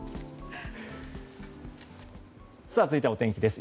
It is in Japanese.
続いてはお天気です。